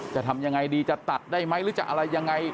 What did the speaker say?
จะทำยังไงดีจะตัดได้ไหมหรือจะอะไรยังไง